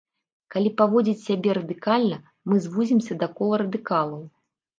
Калі паводзіць сябе радыкальна, мы звузімся да кола радыкалаў.